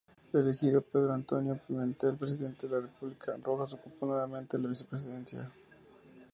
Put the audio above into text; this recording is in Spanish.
Elegido Pedro Antonio Pimentel presidente de la República, Rojas ocupó nuevamente la vice presidencia.